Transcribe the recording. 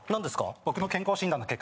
僕の健康診断の結果